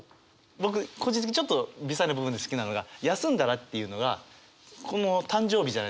僕個人的にちょっと微細な部分で好きなのが「休んだら」っていうのがこの誕生日じゃないですか。